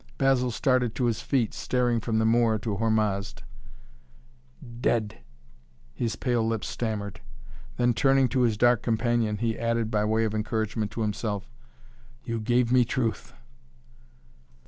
Basil started to his feet, staring from the Moor to Hormazd. "Dead " his pale lips stammered. Then, turning to his dark companion, he added by way of encouragement to himself: "You gave me truth!"